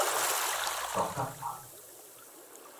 獨角蟲